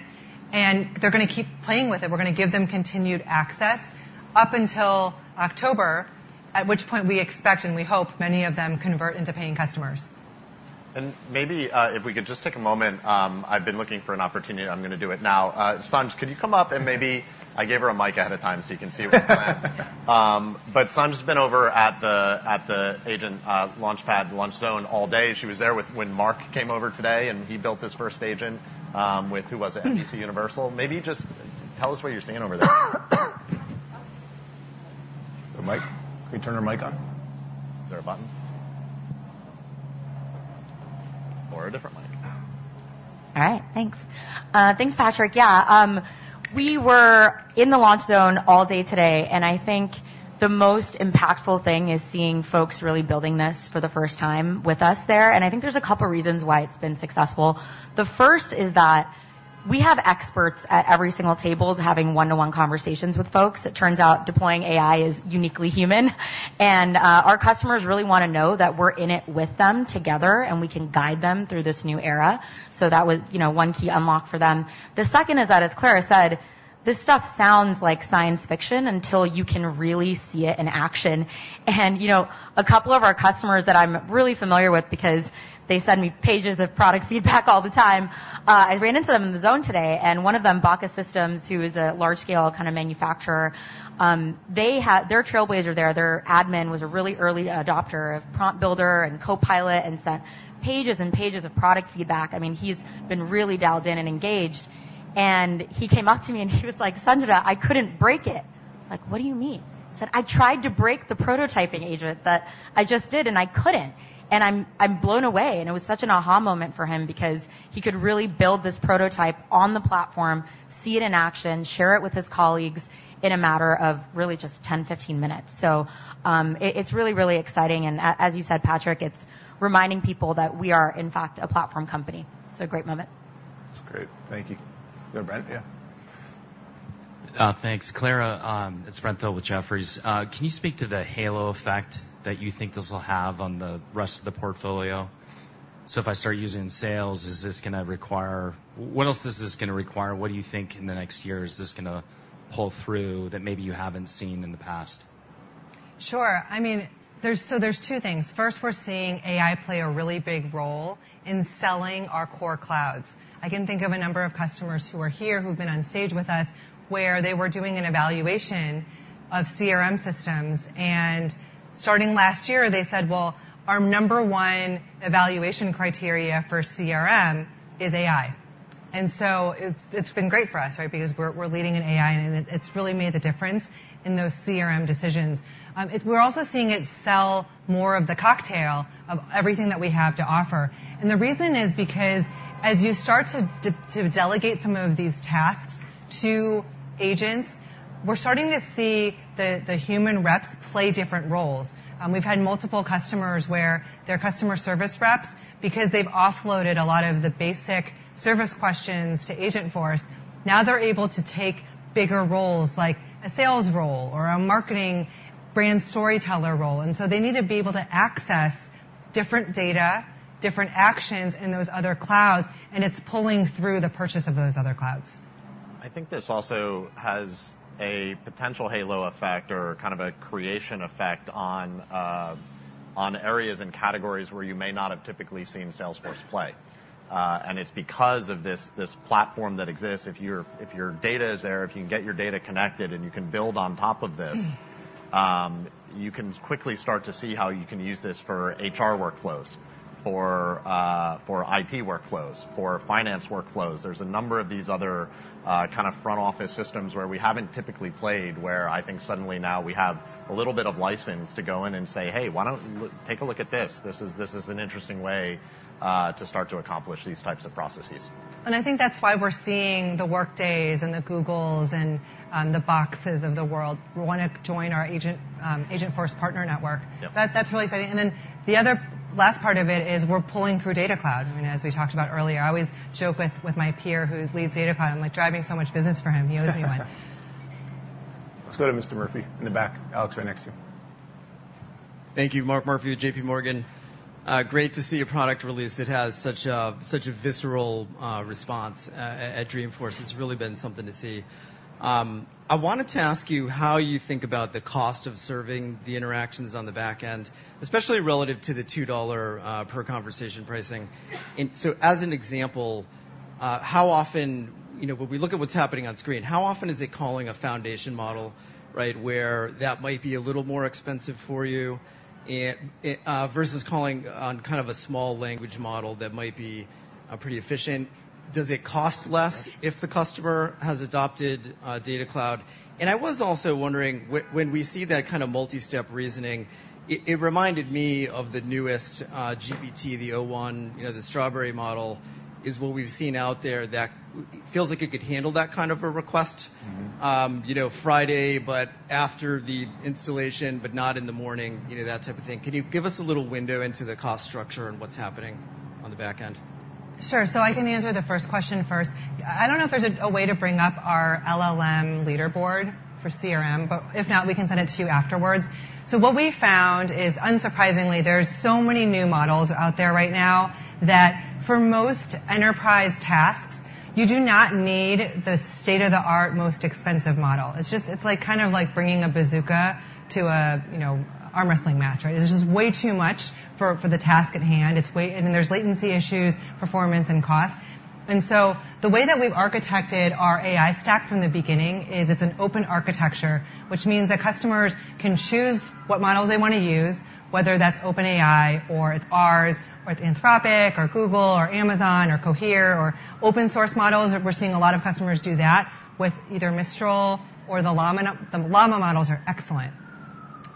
and they're gonna keep playing with it. We're gonna give them continued access up until October, at which point we expect, and we hope, many of them convert into paying customers. And maybe, if we could just take a moment. I've been looking for an opportunity. I'm gonna do it now. Sanj, could you come up, and maybe... I gave her a mic ahead of time, so you can see what's going on. But Sanj's been over at the Agent Launch Zone all day. She was there with when Mark came over today, and he built his first agent with who was it? Mm-hmm. NBCUniversal. Maybe just tell us what you're seeing over there. The mic? Can we turn her mic on? Is there a button? Or a different mic? All right, thanks. Thanks, Patrick. Yeah, we were in the launch zone all day today, and I think the most impactful thing is seeing folks really building this for the first time with us there, and I think there's a couple reasons why it's been successful. The first is that we have experts at every single table having one-to-one conversations with folks. It turns out deploying AI is uniquely human, and, our customers really wanna know that we're in it with them together, and we can guide them through this new era. So that was, you know, one key unlock for them. The second is that, as Clara said, this stuff sounds like science fiction until you can really see it in action. You know, a couple of our customers that I'm really familiar with because they send me pages of product feedback all the time, I ran into them in the zone today, and one of them, BACA Systems, who is a large-scale kind of manufacturer, they had. They're a trailblazer there. Their admin was a really early adopter of Prompt Builder and Copilot and sent pages and pages of product feedback. I mean, he's been really dialed in and engaged, and he came up to me, and he was like: "Sanjna, I couldn't break it." I was like: "What do you mean?" He said, "I tried to break the prototyping agent, but I just did, and I couldn't. And I'm blown away." And it was such an aha moment for him because he could really build this prototype on the platform, see it in action, share it with his colleagues in a matter of really just 10, 15 minutes. So, it's really, really exciting, and as you said, Patrick, it's reminding people that we are, in fact, a platform company. It's a great moment.... Great. Thank you. Go, Brent, yeah. Thanks, Clara. It's Brent Thill with Jefferies. Can you speak to the halo effect that you think this will have on the rest of the portfolio? So if I start using sales, is this gonna require-- What else is this gonna require? What do you think in the next year, is this gonna pull through that maybe you haven't seen in the past? Sure. I mean, so there's two things. First, we're seeing AI play a really big role in selling our core clouds. I can think of a number of customers who are here, who've been on stage with us, where they were doing an evaluation of CRM systems, and starting last year, they said, "Well, our number one evaluation criteria for CRM is AI." And so it's been great for us, right? Because we're leading in AI, and it's really made the difference in those CRM decisions. It's. We're also seeing it sell more of the cocktail of everything that we have to offer. And the reason is because, as you start to delegate some of these tasks to agents, we're starting to see the human reps play different roles. We've had multiple customers where their customer service reps, because they've offloaded a lot of the basic service questions to Agentforce, now they're able to take bigger roles, like a sales role or a marketing brand storyteller role, and so they need to be able to access different data, different actions in those other clouds, and it's pulling through the purchase of those other clouds. I think this also has a potential halo effect or kind of a creation effect on areas and categories where you may not have typically seen Salesforce play. And it's because of this platform that exists, if your data is there, if you can get your data connected and you can build on top of this, you can quickly start to see how you can use this for HR workflows, for IT workflows, for finance workflows. There's a number of these other kind of front-office systems where we haven't typically played, where I think suddenly now we have a little bit of license to go in and say, "Hey, why don't you take a look at this? This is an interesting way to start to accomplish these types of processes. And I think that's why we're seeing the Workdays and the Googles and the Boxes of the world want to join our Agentforce partner network. Yep. That, that's really exciting. And then the other last part of it is we're pulling through Data Cloud. I mean, as we talked about earlier, I always joke with my peer who leads Data Cloud. I'm, like, driving so much business for him, he owes me one. Let's go to Mr. Murphy in the back. Alex, right next to you. Thank you. Mark Murphy with JPMorgan. Great to see a product release that has such a visceral response at Dreamforce. It's really been something to see. I wanted to ask you how you think about the cost of serving the interactions on the back end, especially relative to the $2 per conversation pricing. And so, as an example, how often... You know, when we look at what's happening on screen, how often is it calling a foundation model, right? Where that might be a little more expensive for you versus calling on kind of a small language model that might be pretty efficient. Does it cost less if the customer has adopted Data Cloud? I was also wondering, when we see that kind of multi-step reasoning, it reminded me of the newest GPT, the o1, you know, the Strawberry model, is what we've seen out there, that feels like it could handle that kind of a request. Mm-hmm. You know, Friday, but after the installation, but not in the morning, you know, that type of thing. Can you give us a little window into the cost structure and what's happening on the back end? Sure. So I can answer the first question first. I don't know if there's a way to bring up our LLM leaderboard for CRM, but if not, we can send it to you afterwards. So what we found is, unsurprisingly, there's so many new models out there right now that for most enterprise tasks, you do not need the state-of-the-art, most expensive model. It's just, it's like, kind of like bringing a bazooka to a, you know, arm wrestling match, right? It's just way too much for the task at hand. It's way... I mean, there's latency issues, performance, and cost. And so the way that we've architected our AI stack from the beginning is it's an open architecture, which means that customers can choose what model they want to use, whether that's OpenAI, or it's ours, or it's Anthropic or Google or Amazon or Cohere or open source models. We're seeing a lot of customers do that with either Mistral or the Llama. The Llama models are excellent.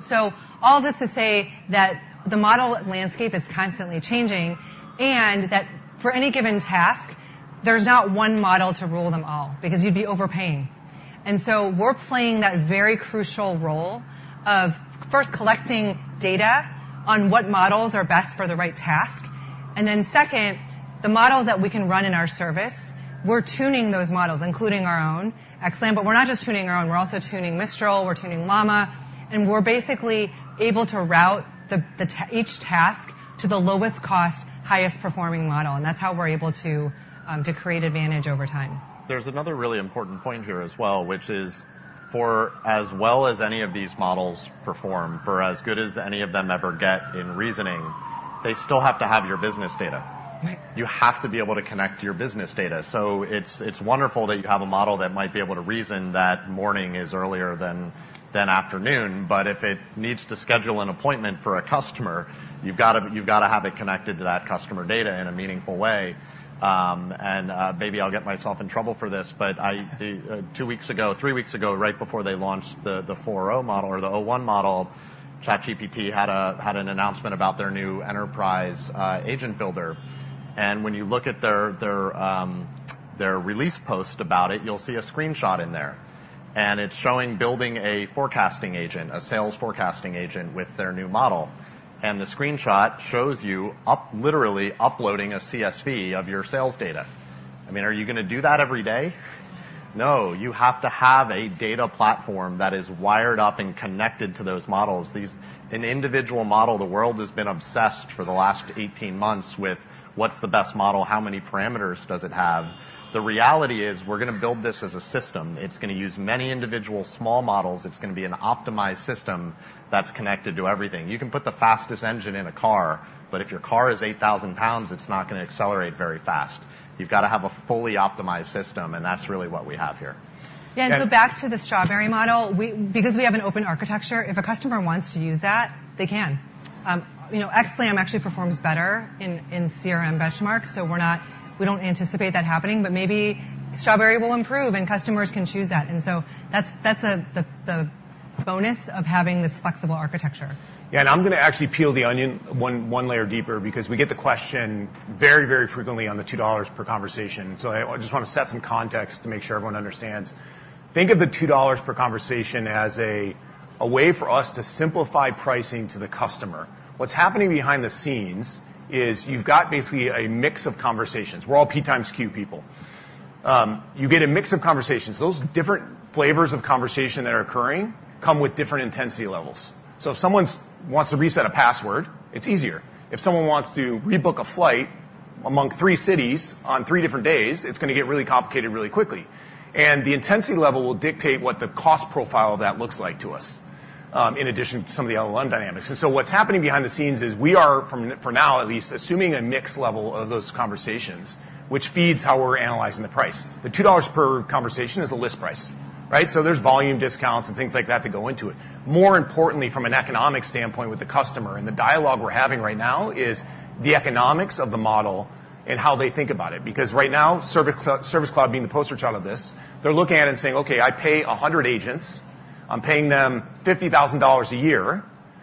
So all this to say that the model landscape is constantly changing, and that for any given task, there's not one model to rule them all, because you'd be overpaying. And so we're playing that very crucial role of first collecting data on what models are best for the right task, and then second, the models that we can run in our service, we're tuning those models, including our own Einstein. But we're not just tuning our own, we're also tuning Mistral, we're tuning Llama, and we're basically able to route each task to the lowest cost, highest performing model, and that's how we're able to create advantage over time. There's another really important point here as well, which is for as well as any of these models perform, for as good as any of them ever get in reasoning, they still have to have your business data. Right. You have to be able to connect to your business data. So it's wonderful that you have a model that might be able to reason that morning is earlier than afternoon, but if it needs to schedule an appointment for a customer, you've got to, you've got to have it connected to that customer data in a meaningful way. And maybe I'll get myself in trouble for this, but I two weeks ago, three weeks ago, right before they launched the 4o model or the o1 model, ChatGPT had an announcement about their new enterprise agent builder. And when you look at their release post about it, you'll see a screenshot in there, and it's showing building a forecasting agent, a sales forecasting agent with their new model. The screenshot shows you literally uploading a CSV of your sales data. I mean, are you gonna do that every day? No, you have to have a data platform that is wired up and connected to those models. An individual model, the world has been obsessed for the last eighteen months with what's the best model? How many parameters does it have? The reality is, we're going to build this as a system. It's going to use many individual small models. It's going to be an optimized system that's connected to everything. You can put the fastest engine in a car, but if your car is eight thousand pounds, it's not going to accelerate very fast. You've got to have a fully optimized system, and that's really what we have here. Yeah, and so back to the Strawberry model. We, because we have an open architecture, if a customer wants to use that, they can. You know, xLAM actually performs better in CRM benchmarks, so we're not, we don't anticipate that happening, but maybe Strawberry will improve, and customers can choose that. And so that's the bonus of having this flexible architecture. Yeah, and I'm going to actually peel the onion one layer deeper, because we get the question very, very frequently on the $2 per conversation. So I just want to set some context to make sure everyone understands. Think of the $2 per conversation as a way for us to simplify pricing to the customer. What's happening behind the scenes is you've got basically a mix of conversations. We're all P times Q people. You get a mix of conversations. Those different flavors of conversation that are occurring come with different intensity levels. So if someone wants to reset a password, it's easier. If someone wants to rebook a flight among three cities on three different days, it's going to get really complicated really quickly. And the intensity level will dictate what the cost profile of that looks like to us, in addition to some of the other dynamics. And so what's happening behind the scenes is we are, from, for now, at least, assuming a mixed level of those conversations, which feeds how we're analyzing the price. The $2 per conversation is a list price, right? So there's volume discounts and things like that, that go into it. More importantly, from an economic standpoint with the customer, and the dialogue we're having right now, is the economics of the model and how they think about it. Because right now, Service Cloud being the poster child of this, they're looking at it and saying: "Okay, I pay 100 agents. I'm paying them $50,000 a year.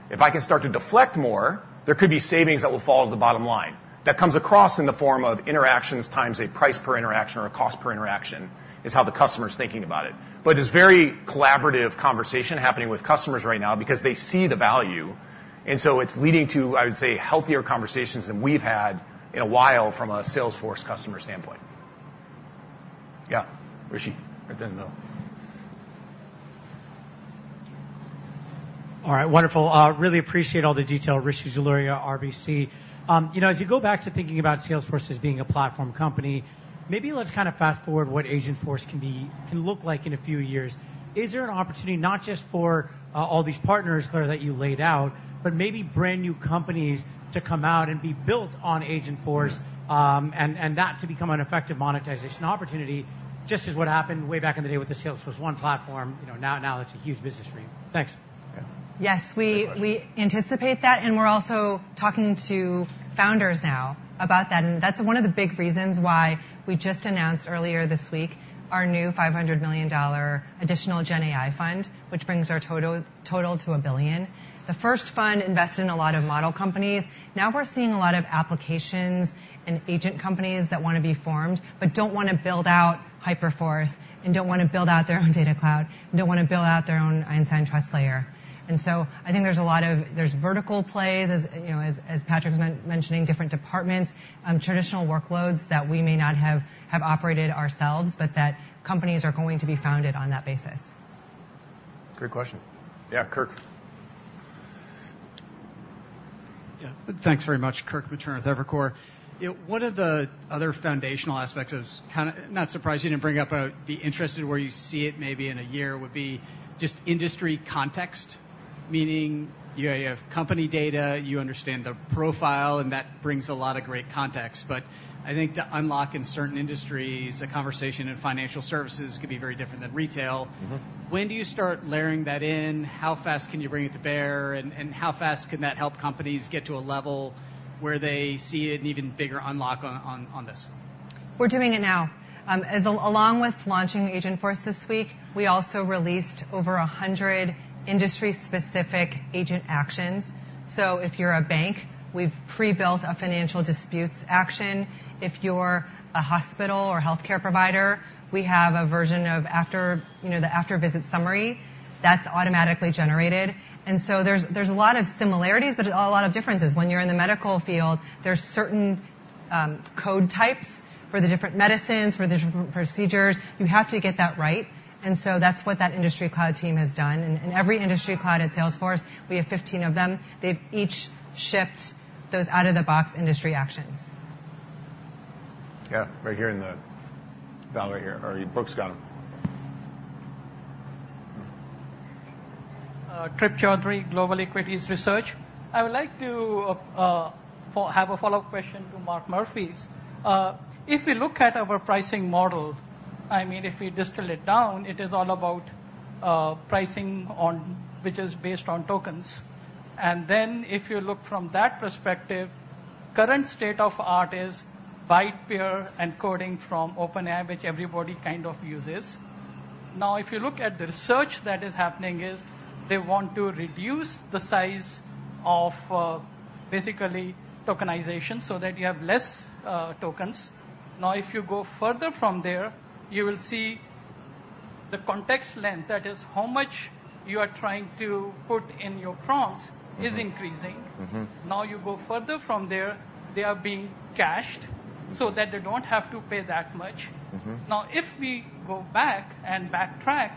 If I can start to deflect more, there could be savings that will fall to the bottom line." That comes across in the form of interactions times a price per interaction or a cost per interaction, is how the customer is thinking about it. But it's very collaborative conversation happening with customers right now because they see the value, and so it's leading to, I would say, healthier conversations than we've had in a while from a Salesforce customer standpoint. Yeah, Rishi, right there in the middle. All right. Wonderful. Really appreciate all the detail. Rishi Jaluria, RBC. You know, as you go back to thinking about Salesforce as being a platform company, maybe let's kind of fast-forward what Agentforce can look like in a few years. Is there an opportunity not just for all these partners, Clara, that you laid out, but maybe brand-new companies to come out and be built on Agentforce, and that to become an effective monetization opportunity, just as what happened way back in the day with the Salesforce1 platform, you know, now it's a huge business stream. Thanks. Yes, we- Great question. We anticipate that, and we're also talking to founders now about that, and that's one of the big reasons why we just announced earlier this week our new $500 million additional GenAI fund, which brings our total to $1 billion. The first fund invested in a lot of model companies. Now we're seeing a lot of applications and agent companies that want to be formed, but don't want to build out Hyperforce, and don't want to build out their own Data Cloud, and don't want to build out their own Einstein Trust Layer. And so I think there's a lot of... There's vertical plays, as you know, as Patrick's mentioning, different departments, traditional workloads that we may not have operated ourselves, but that companies are going to be founded on that basis. Great question. Yeah, Kirk. Yeah. Thanks very much. Kirk Materne with Evercore. One of the other foundational aspects is kinda not surprising you didn't bring up. I'd be interested where you see it maybe in a year, would be just industry context. Meaning, you have company data, you understand the profile, and that brings a lot of great context. But I think to unlock in certain industries, a conversation in financial services could be very different than retail. Mm-hmm. When do you start layering that in? How fast can you bring it to bear? And how fast can that help companies get to a level where they see an even bigger unlock on this? We're doing it now. Along with launching Agentforce this week, we also released over 100 industry-specific agent actions. So if you're a bank, we've pre-built a financial disputes action. If you're a hospital or healthcare provider, we have a version of after, you know, the after-visit summary that's automatically generated. And so there's a lot of similarities, but a lot of differences. When you're in the medical field, there's certain code types for the different medicines, for the different procedures. You have to get that right, and so that's what that industry cloud team has done. And every industry cloud at Salesforce, we have 15 of them, they've each shipped those out-of-the-box industry actions. Yeah, right here in the... fella right here, or books gone. Trip Chowdhry, Global Equities Research. I would like to have a follow-up question to Mark Murphy's. If we look at our pricing model, I mean, if we distill it down, it is all about pricing on which is based on tokens. And then if you look from that perspective, current state of art is Byte-Pair Encoding from OpenAI, which everybody kind of uses. Now, if you look at the research that is happening, is they want to reduce the size of basically tokenization so that you have less tokens. Now, if you go further from there, you will see the context length, that is how much you are trying to put in your prompts, is increasing. Mm-hmm. Now, you go further from there, they are being cached, so that they don't have to pay that much. Mm-hmm. Now, if we go back and backtrack,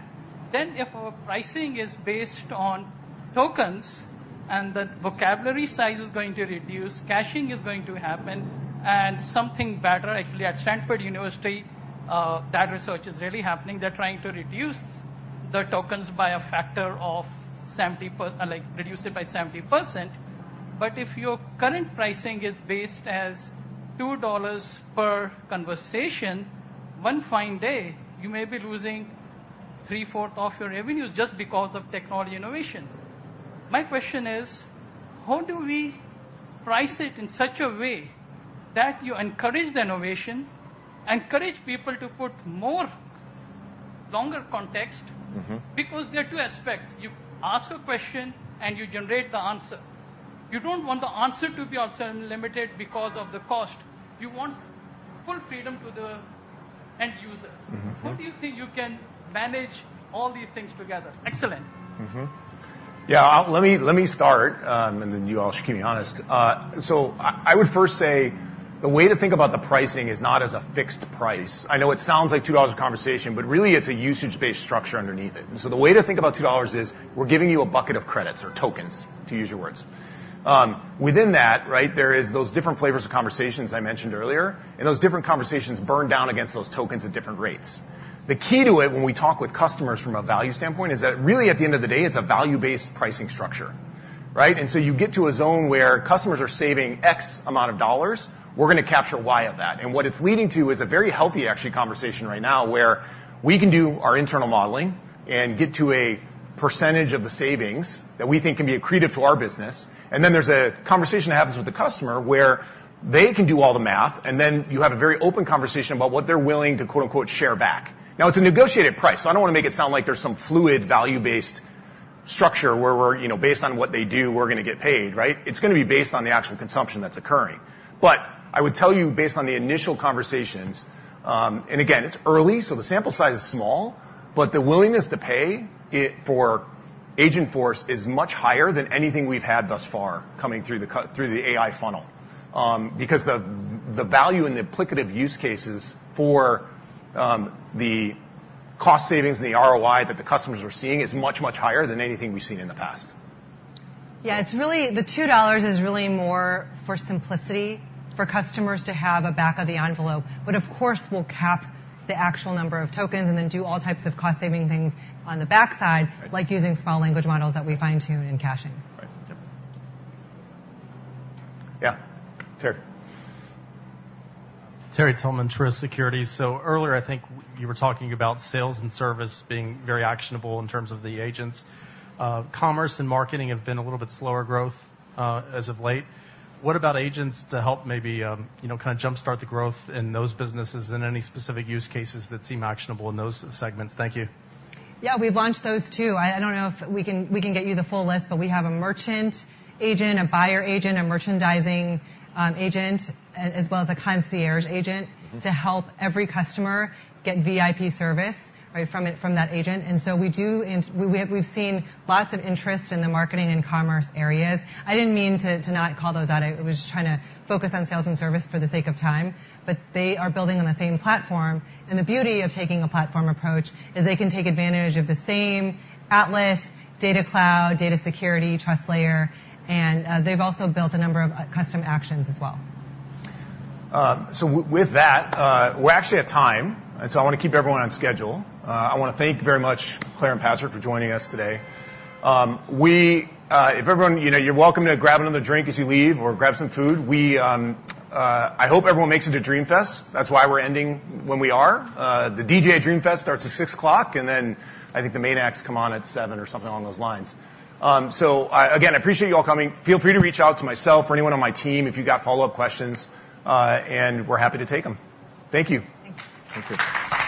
then if our pricing is based on tokens and the vocabulary size is going to reduce, caching is going to happen, and something better. Actually, at Stanford University, that research is really happening. They're trying to reduce the tokens by a factor of 70, like, reduce it by 70%. But if your current pricing is based as $2 per conversation, one fine day, you may be losing three-fourths of your revenues just because of technology innovation. My question is: how do we price it in such a way that you encourage the innovation, encourage people to put more longer context? Mm-hmm. Because there are two aspects. You ask a question, and you generate the answer. You don't want the answer to be also unlimited because of the cost. You want full freedom to the end user. Mm-hmm. How do you think you can manage all these things together? Excellent. Yeah, let me start, and then you all should keep me honest. So I would first say the way to think about the pricing is not as a fixed price. I know it sounds like $2 a conversation, but really it's a usage-based structure underneath it. And so the way to think about $2 is, we're giving you a bucket of credits or tokens, to use your words. Within that, right, there is those different flavors of conversations I mentioned earlier, and those different conversations burn down against those tokens at different rates. The key to it, when we talk with customers from a value standpoint, is that really, at the end of the day, it's a value-based pricing structure, right? And so you get to a zone where customers are saving X amount of dollars, we're gonna capture Y of that. And what it's leading to is a very healthy, actually, conversation right now, where we can do our internal modeling and get to a percentage of the savings that we think can be accretive to our business. And then there's a conversation that happens with the customer, where they can do all the math, and then you have a very open conversation about what they're willing to, quote-unquote, "share back." Now, it's a negotiated price, so I don't wanna make it sound like there's some fluid, value-based structure where we're, you know, based on what they do, we're gonna get paid, right? It's gonna be based on the actual consumption that's occurring. But I would tell you, based on the initial conversations. Again, it's early, so the sample size is small, but the willingness to pay it for Agentforce is much higher than anything we've had thus far coming through the AI funnel. Because the value and the applicable use cases for the cost savings and the ROI that the customers are seeing is much, much higher than anything we've seen in the past. Yeah, it's really the $2 is really more for simplicity, for customers to have a back-of-the-envelope. But of course, we'll cap the actual number of tokens and then do all types of cost-saving things on the backside. Right. like using small language models that we fine-tune in caching. Right. Yep. Yeah. Terry. Terry Tillman, Truist Securities. So earlier, I think you were talking about sales and service being very actionable in terms of the agents. Commerce and marketing have been a little bit slower growth, as of late. What about agents to help maybe, you know, kind of jumpstart the growth in those businesses and any specific use cases that seem actionable in those segments? Thank you. Yeah, we've launched those, too. I don't know if we can get you the full list, but we have a merchant agent, a buyer agent, a merchandising agent, as well as a concierge agent- Mm-hmm. To help every customer get VIP service, right, from it, from that agent. And so we do. And we have—we've seen lots of interest in the marketing and commerce areas. I didn't mean to not call those out. I was just trying to focus on sales and service for the sake of time, but they are building on the same platform. And the beauty of taking a platform approach is they can take advantage of the same Atlas, Data Cloud, data security, Trust Layer, and they've also built a number of custom actions as well. So with that, we're actually at time, and so I want to keep everyone on schedule. I wanna thank you very much, Clara and Patrick, for joining us today. If everyone... You know, you're welcome to grab another drink as you leave or grab some food. I hope everyone makes it to Dreamfest. That's why we're ending when we are. The DJ at Dreamfest starts at 6:00 P.M., and then I think the main acts come on at 7:00 P.M. or something along those lines, so again, I appreciate you all coming. Feel free to reach out to myself or anyone on my team if you've got follow-up questions, and we're happy to take them. Thank you. Thank you. Thank you.